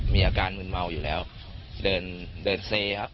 มีอาการมืนเมาอยู่แล้วเดินเดินเซครับ